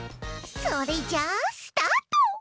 それじゃあスタート！